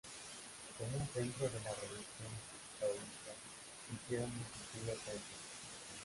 Como un centro de la religión taoísta, se hicieron multitud de templos.